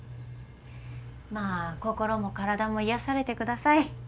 まあ心も体も癒やされてください。